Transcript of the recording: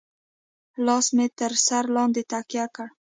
لاس مې تر سر لاندې تکيه کړه.